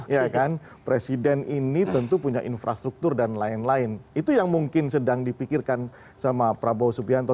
ya kan presiden ini tentu punya infrastruktur dan lain lain itu yang mungkin sedang dipikirkan sama prabowo subianto